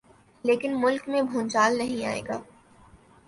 لیکن ملک میں بھونچال نہیں آئے گا۔